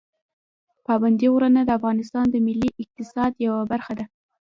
پابندي غرونه د افغانستان د ملي اقتصاد یوه برخه ده.